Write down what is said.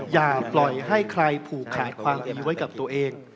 อย่าปล่อยให้ใครผูกขาดความเอ็มไว้กับตัวเอง